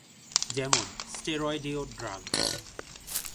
যেমন: স্টেরয়েডীয় ড্রাগ।